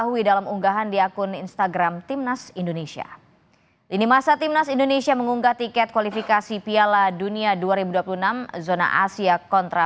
kita beruntung untuk memiliki pemain yang bermain di eropa atau di luar negara